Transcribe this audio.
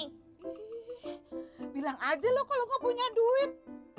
ih bilang aja loh kalau enggak punya duit